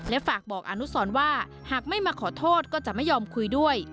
ฝากบอกอนุสรว่าหากไม่มาขอโทษก็จะไม่ยอมคุยด้วย